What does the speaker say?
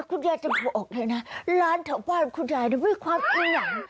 กุ๊ดยาจะพูดออกี่นะร้านเถอะบ้านขุดยายเนี่ยว่าความอิหญัง